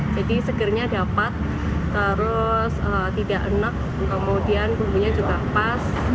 jadi segernya dapat terus tidak enak kemudian bumbunya juga pas